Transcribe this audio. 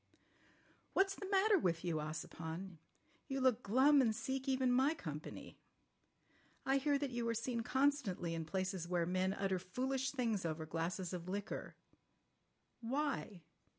"What's the matter with you, Ossipon? You look glum and seek even my company. I hear that you are seen constantly in places where men utter foolish things over glasses of liquor. Why?